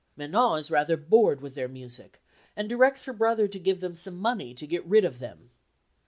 Manon is rather bored with their music, and directs her brother to give them some money to get rid of them.